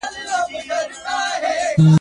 له باران نه پاڅېد، تر ناوې لاندي کښېناست.